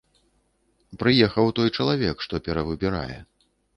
Прыехаў той чалавек, што перавыбірае.